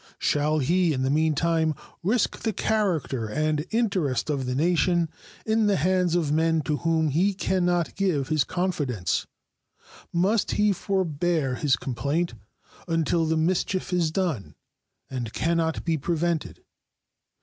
Shall he in the meantime risk the character and interest of the nation in the hands of men to whom he can not give his confidence? Must he forbear his complaint until the mischief is done and can not be prevented?